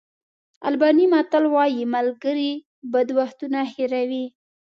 آلباني متل وایي ملګري بد وختونه هېروي.